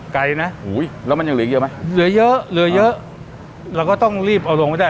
ไกลนะแล้วมันยังเหลือเยอะไหมเหลือเยอะเหลือเยอะเราก็ต้องรีบเอาลงไม่ได้